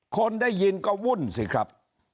คนได้ยินก็วุ่นสิครับ